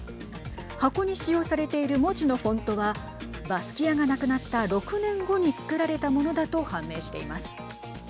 箱に使用されている文字のフォントはバスキアが亡くなった６年後に作られたものだと判明しています。